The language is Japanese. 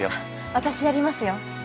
私やりますよ。